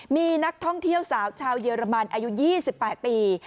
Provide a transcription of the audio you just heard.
มีนักท่องเที่ยวสาวชาวเยอรมันอายุ๒๘ปี